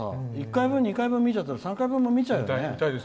１回分、２回分見ちゃったら３回分も見ちゃうよね。